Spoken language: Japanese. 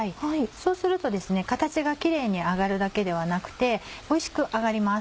そうするとですね形がキレイに揚がるだけではなくておいしく揚がります。